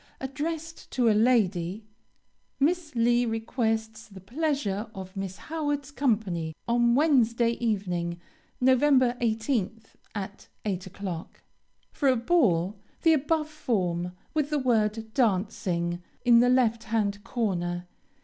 Addressed to a lady: Miss Lee requests the pleasure of Miss Howard's company on Wednesday evening, Nov. 18th, at 8 o'clock. For a ball, the above form, with the word Dancing, in the left hand corner.